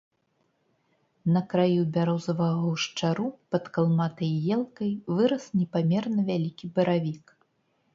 На краю бярозавага гушчару, пад калматай елкай, вырас непамерна вялікі баравік.